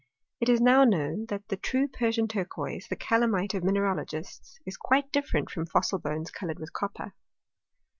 It is now known, that the true Persian turquoise, the caZami^e of mineralogists, is quite different from fossil bones coloured with copper.